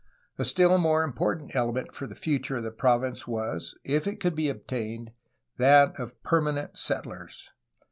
A still more important element for the future of the province was, if it could be obtained, that of permanent settlers.